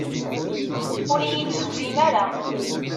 Ur iyi-d-tufim ara.